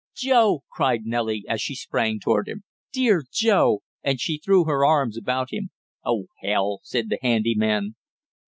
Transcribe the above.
"Joe!" cried Nellie, as she sprang toward him. "Dear Joe!" and she threw her arms about him. "Oh, hell!" said the handy man.